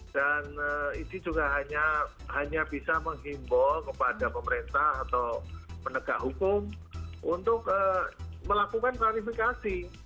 dan id juga hanya bisa menghimbol kepada pemerintah atau menegak hukum untuk melakukan planifikasi